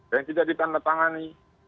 yang tidak ditandatangani